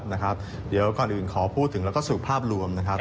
ครับนะครับเดี๋ยวก่อนอื่นขอพูดถึงแล้วก็สูงภาพรวมนะครับ